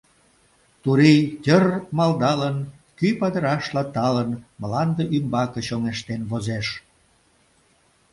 Турий, тьыр-р-р-р! малдалын, кӱ падырашла талын мланде ӱмбаке чоҥештен возеш.